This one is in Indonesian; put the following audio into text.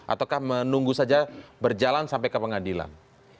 ataukah menunggu saja berjalan sampai ke pengadilan